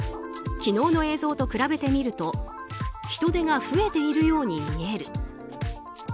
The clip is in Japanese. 昨日の映像と比べてみると人出が増えているように見える。